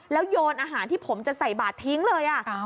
แล้วโยนอาหารที่ผมจะใส่บาททิ้งเลย